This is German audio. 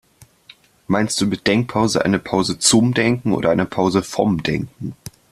Meinst du mit Denkpause eine Pause zum Denken oder eine Pause vom Denken?